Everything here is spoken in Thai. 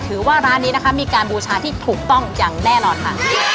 ถือว่าร้านนี้นะคะมีการบูชาที่ถูกต้องอย่างแน่นอนค่ะ